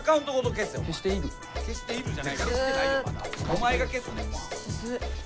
お前が消すねんほんま。